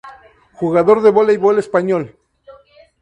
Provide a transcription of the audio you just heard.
Jugador de Voleibol español.